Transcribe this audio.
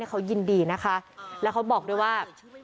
เขายินดีนะคะแล้วเขาบอกด้วยว่า